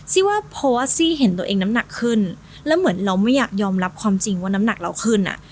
ว่าเพราะว่าซี่เห็นตัวเองน้ำหนักขึ้นแล้วเหมือนเราไม่อยากยอมรับความจริงว่าน้ำหนักเราขึ้นอ่ะ